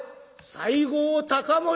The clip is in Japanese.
「西郷隆盛」。